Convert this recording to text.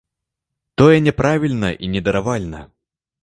Тое няправільна і недаравальна!